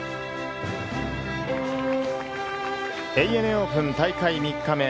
ＡＮＡオープン大会３日目。